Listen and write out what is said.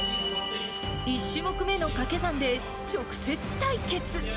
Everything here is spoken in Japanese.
１種目目のかけ算で直接対決。